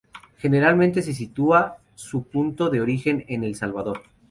Generalmente se sitúa su punto de origen en El Salvador.